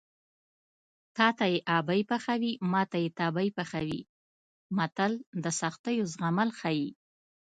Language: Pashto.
تاته یې ابۍ پخوي ماته یې تبۍ پخوي متل د سختیو زغمل ښيي